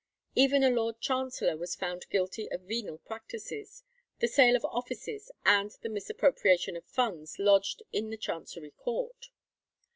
Even a Lord Chancellor was found guilty of venal practices—the sale of offices, and the misappropriation of funds lodged in the Chancery Court.